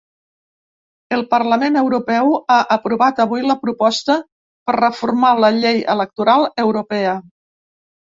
El parlament europeu ha aprovat avui la proposta per reformar la llei electoral europea.